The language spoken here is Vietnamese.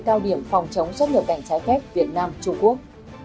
cao điểm phòng chống xuất nhập cảnh trái phép việt nam trung quốc